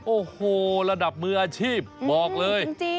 โอ้โหระดับมืออาชีพบอกเลย